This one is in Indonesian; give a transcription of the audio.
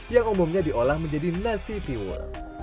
yang umumnya diolah menjadi nasi tiwul